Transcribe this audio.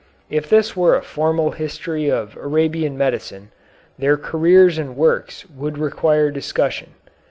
If this were a formal history of Arabian medicine, their careers and works would require discussion.